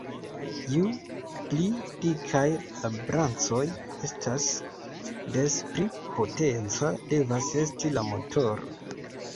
Ju pli dikaj la branĉoj estas, des pli potenca devas esti la motoro.